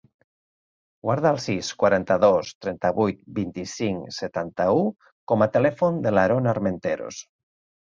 Guarda el sis, quaranta-dos, trenta-vuit, vint-i-cinc, setanta-u com a telèfon de l'Aron Armenteros.